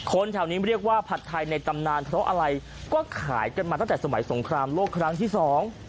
แถวนี้เรียกว่าผัดไทยในตำนานเพราะอะไรก็ขายกันมาตั้งแต่สมัยสงครามโลกครั้งที่สอง